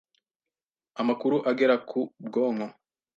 Amakuru agera ku bwonko,